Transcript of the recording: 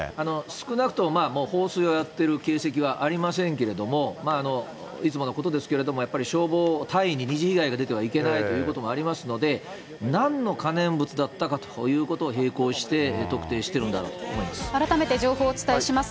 少なくとも放水をやっている形跡はありませんけれども、いつものことですけれども、やっぱり消防隊員に二次被害は出てはいけないということがありますので、なんの可燃物だったのかということを並行して特定してい改めて情報をお伝えします。